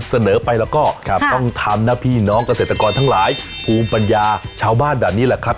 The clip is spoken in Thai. เสนอไปแล้วก็ต้องทำนะพี่น้องเกษตรกรทั้งหลายภูมิปัญญาชาวบ้านแบบนี้แหละครับ